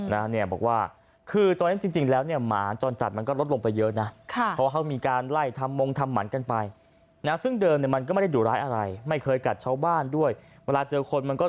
นะเนี่ยบอกว่าคือตอนนี้จริงแล้วเนี่ยหมาจอดจัดมันก็รอดลงไปเยอะนะฟะเขามีการไหล่ทำมงทำหมันกันไปนะก็ก็ได้ชอบบ้านทั้งคู่